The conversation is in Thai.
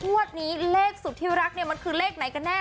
วันนี้เลขสุดที่รักมันคือเลขไหนกันแน่